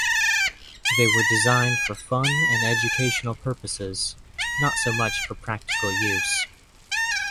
They were designed for fun and educational purposes, not so much for practical use.